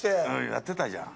やってたじゃん。